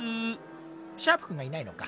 シャープくんがいないのか。